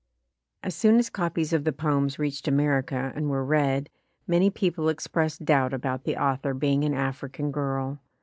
As soon as copies of the poems reached America PHILLIS WHEATLEY [ 173 and were read, many people expressed doubt about the author being an African girl.